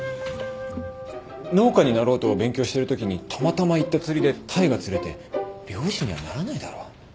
農家になろうと勉強してるときにたまたま行った釣りでタイが釣れて漁師にはならないだろ？